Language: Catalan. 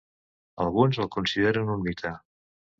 Alguns el consideren un mite.